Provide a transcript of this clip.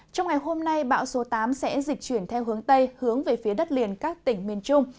trong ngày hôm nay bão số tám sẽ dịch chuyển theo hướng tây hướng về phía đất liền các tỉnh miền trung